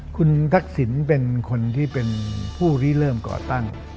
คุณทรักฯ์สิ้นเป็นคนที่เป็นผู้เรียนเริ่มกระตั้ง